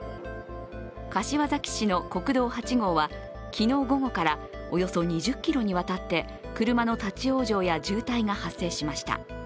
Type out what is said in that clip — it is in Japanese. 柏崎市の国道８号は昨日午後からおよそ２０ｋｍにわたって車の立往生や渋滞が発生しました。